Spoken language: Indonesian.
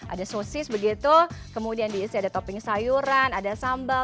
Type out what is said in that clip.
ada sosis begitu kemudian diisi ada topping sayuran ada sambal